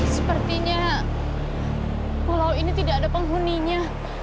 sepertinya pulau ini tidak ada penghuninya